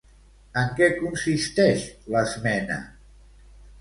En què consisteix l'esmena?